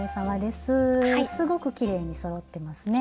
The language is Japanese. すごくきれいにそろってますね。